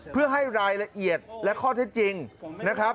เพื่อให้รายละเอียดและข้อเท็จจริงนะครับ